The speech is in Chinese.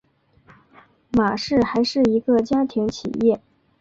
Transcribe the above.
玛氏还是一个家庭企业。